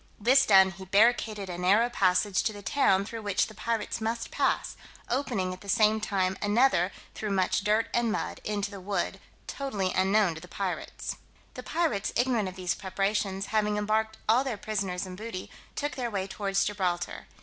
This done, he barricaded a narrow passage to the town through which the pirates must pass, opening at the same time another through much dirt and mud into the wood totally unknown to the pirates. The pirates, ignorant of these preparations, having embarked all their prisoners and booty, took their way towards Gibraltar.